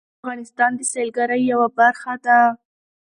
کلي د افغانستان د سیلګرۍ یوه برخه ده.